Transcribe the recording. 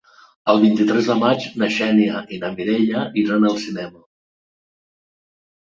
El vint-i-tres de maig na Xènia i na Mireia iran al cinema.